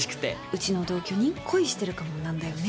うちの同居人恋してるかもなんだよね。